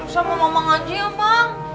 sama mamang aja ya mak